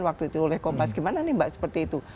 waktu itu oleh kompas gimana nih mbak seperti itu